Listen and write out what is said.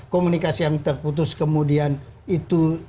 komunikasi yang terputus kemudian itu